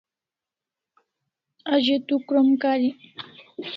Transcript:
A ze tu krom karik